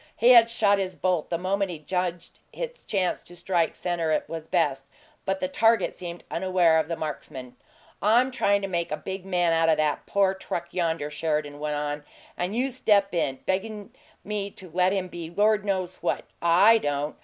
He had shot his bolt the moment he judged its chance to strike center was best, but the target seemed unaware of the marksman. "I'm tryin' to make a big man out o' that poor truck yonder," Sheridan went on, "and you step in, beggin' me to let him be Lord knows what I don't!